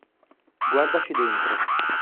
Guardaci dentro.